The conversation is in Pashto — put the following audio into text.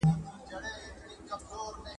زور به مو د چیغو سبا مځکه اسمان وویني